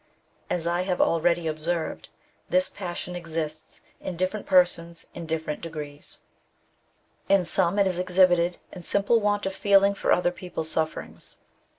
As Lhave already observed, this passion exists in different persons in different degrees. 134 THE BOOK OF WERE WOLVES. In some it is exhibited in simple want of feeling for other people's sufferings.